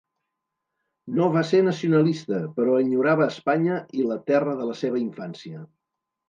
No va ser nacionalista, però enyorava Espanya i la terra de la seva infància.